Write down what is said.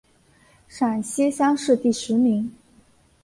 陕西乡试第十名。